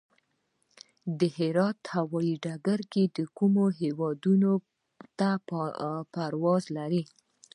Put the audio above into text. د هرات هوايي ډګر کومو هیوادونو ته پرواز لري؟